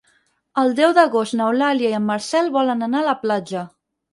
El deu d'agost n'Eulàlia i en Marcel volen anar a la platja.